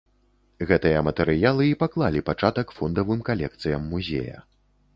Гэтыя матэрыялы і паклалі пачатак фондавым калекцыям музея.